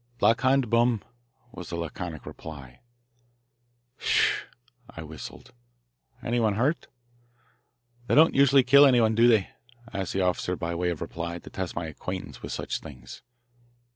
"Black Hand bomb," was the laconic reply. "Whew!" I whistled. "Anyone hurt?" "They don't usually kill anyone, do they?" asked the officer by way of reply to test my acquaintance with such things.